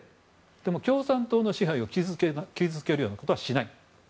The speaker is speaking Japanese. でも、共産党の支配を傷つけるようなことはしない。